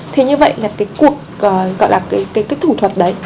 thì như vậy là cái cuộc gọi là cái thủ thuật đấy